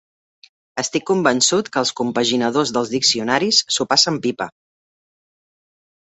Estic convençut que els compaginadors dels diccionaris s'ho passen pipa.